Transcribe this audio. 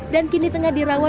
dan kini tengah diberikan